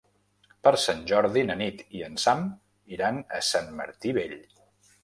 Per Sant Jordi na Nit i en Sam iran a Sant Martí Vell.